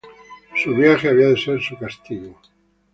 Su viaje había de ser su castigo.